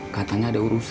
katanya ada urusan